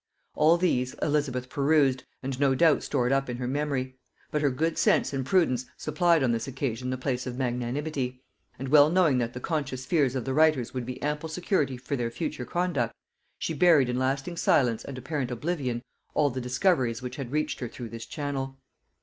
All these Elizabeth perused, and no doubt stored up in her memory; but her good sense and prudence supplied on this occasion the place of magnanimity; and well knowing that the conscious fears of the writers would be ample security for their future conduct, she buried in lasting silence and apparent oblivion all the discoveries which had reached her through this channel.